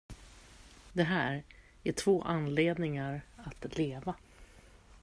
De här är två anledningar att leva.